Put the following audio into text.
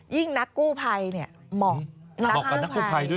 ยิ่งนักกู้ภัยเนี่ยเหมาะกับนักกู้ภัย